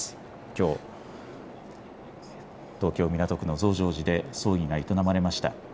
きょう、東京港区の増上寺で葬儀が営まれました。